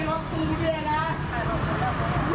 ปั้นหนึ่ง